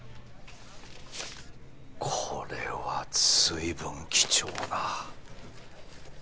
これはずいぶん貴重な。